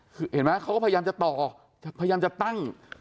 คือเห็นไหมเขาก็พยายามจะต่อพยายามจะตั้ง